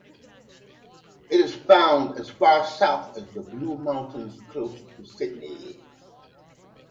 It is found as far south as the Blue Mountains close to Sydney.